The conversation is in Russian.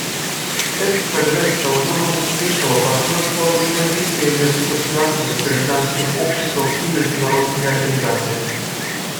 Этот прогресс стал итогом успешного партнерского взаимодействия между государствами, гражданским обществом и международными организациями.